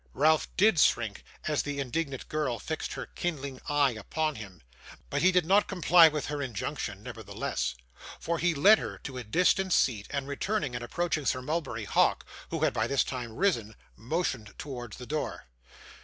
Ralph DID shrink, as the indignant girl fixed her kindling eye upon him; but he did not comply with her injunction, nevertheless: for he led her to a distant seat, and returning, and approaching Sir Mulberry Hawk, who had by this time risen, motioned towards the door.